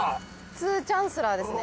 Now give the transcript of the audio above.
ツーチャンスラーですね。